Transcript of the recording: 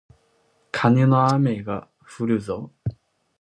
カネの雨がふるぞー